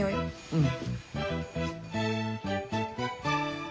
うん。